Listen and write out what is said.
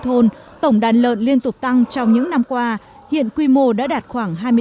thôn tổng đàn lợn liên tục tăng trong những năm qua hiện quy mô đã đạt khoảng